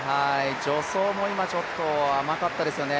助走も今ちょっと、甘かったですよね。